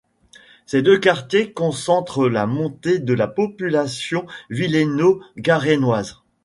Ces deux quartiers concentrent la moitié de la population villéno-garennoise.